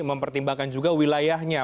mempertimbangkan juga wilayahnya